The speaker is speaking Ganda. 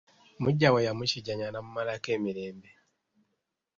Muggya we yamukijjanya n'amumalako emirembe.